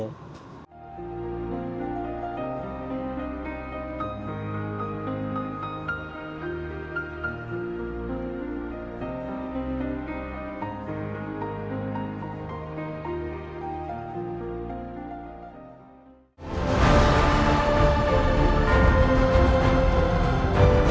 hòa sĩ phạm lực